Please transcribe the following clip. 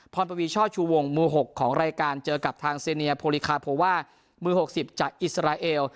พนต์มูชรชววง๑ของรายการเจอกับทางเสญียพลิคะโพว่า๑มือ๖๐จากอิสราเอล